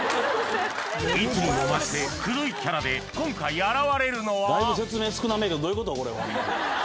いつにも増してくどいキャラで今回現れるのは？